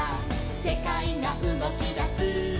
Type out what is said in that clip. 「せかいがうごきだす」「」